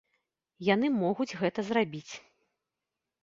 Яны могуць гэта зрабіць.